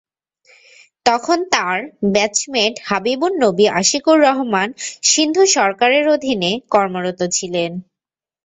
তখন তাঁর ব্যাচমেট হাবিবুন নবী আশিকুর রহমান সিন্ধু সরকারের অধীনে কর্মরত ছিলেন।